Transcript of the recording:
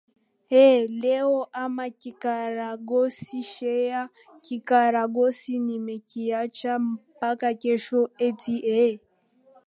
ee leo hamna kikaragosi sheha kikaragosi nime kiacha mpaka kesho eti ee